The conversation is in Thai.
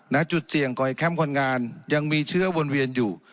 จุดเสี่ยงของแคมป์คนงานยังมีเชื้อวนเวียนอยู่